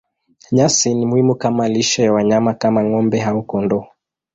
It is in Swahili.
Nyasi ni muhimu kama lishe ya wanyama kama ng'ombe au kondoo.